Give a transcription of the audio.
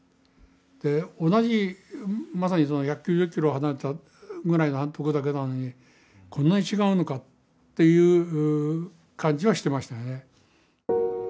で同じまさにその１９０キロ離れたぐらいのとこだけなのにこんなに違うのかという感じはしてましたね。